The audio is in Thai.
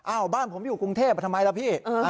บ้านผมอยู่กรุงเทพทำไมล่ะพี่